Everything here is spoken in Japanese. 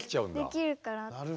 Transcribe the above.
できるから。